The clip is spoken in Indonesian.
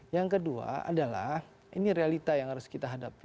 yang kedua adalah ini realita yang harus kita hadapi